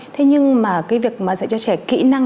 thế nhưng mà cái việc mà dạy cho trẻ kỹ năng